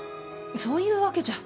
そういうわけじゃ。